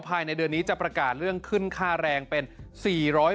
ภายในเดือนนี้จะประกาศเรื่องขึ้นค่าแรงเป็น๔๐๐บาท